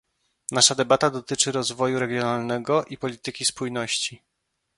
Nasza debata dotyczy rozwoju regionalnego i polityki spójności